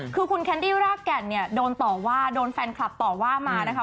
คือคุณแคนดี้รากแก่นเนี่ยโดนต่อว่าโดนแฟนคลับต่อว่ามานะคะ